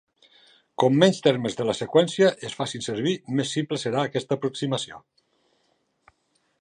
Com menys termes de la seqüència es facin servir, més simple serà aquesta aproximació.